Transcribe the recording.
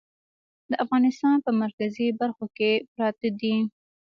د افغانستان په مرکزي برخو کې پراته دي.